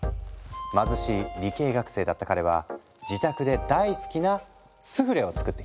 貧しい理系学生だった彼は自宅で大好きなスフレを作っていた。